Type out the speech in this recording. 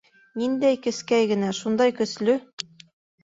Ниндәй кескәй генә, шундай көслө!